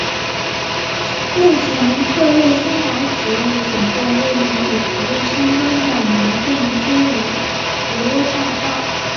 目前特瑞新达企业的总部位于比佛利山庄的名店街罗迪欧大道。